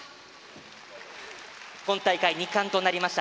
今大会２冠となりました。